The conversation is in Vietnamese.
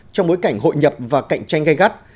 trong bối cảnh hội nhập và cạnh tranh gây gắt